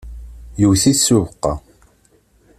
yewwet-it s ubeqqa.